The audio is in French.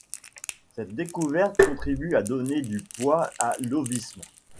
Cette découverte contribue à donner du poids à l'ovisme.